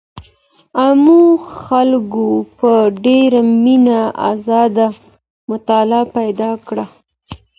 عامو خلګو په ډېره مينه ازاده مطالعه پيل کړه.